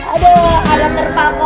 aduh ada terpakau